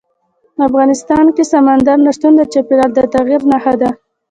افغانستان کې سمندر نه شتون د چاپېریال د تغیر نښه ده.